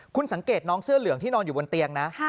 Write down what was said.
คุณสังเกตน้องเสื้อเหลืองที่นอนอยู่บนเตียงนะ